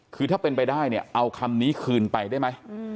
คือถ้าเป็นไปได้เนี่ยเอาคำนี้คืนไปได้ไหม